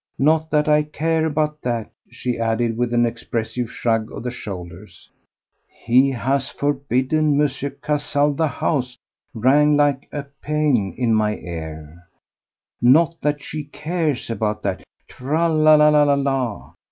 Not that I care about that," she added with an expressive shrug of the shoulders. "He has forbidden M. Cazalès the house," rang like a paean in my ear. "Not that she cares about that! Tra la, la, la, la, la!"